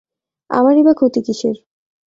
আমারই বা ক্ষতি কিসের!